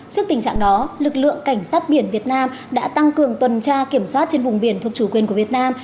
trước tình trạng đó lực lượng cảnh sát biển việt nam đã tăng cường tuần tra kiểm soát trên vùng biển thuộc chủ quyền của việt nam